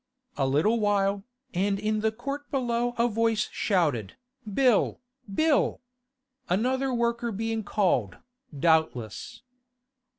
A little while, and in the court below a voice shouted, 'Bill Bill!' Another worker being called, doubtless.